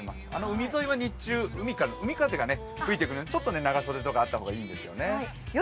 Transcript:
海沿いは日中、海風が吹いてくるのでちょっと長袖とかあった方がいいんですね。